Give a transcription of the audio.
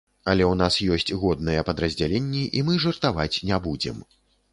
Але ў нас ёсць годныя падраздзяленні, і мы жартаваць не будзем.